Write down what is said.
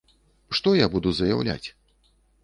Што я буду заяўляць?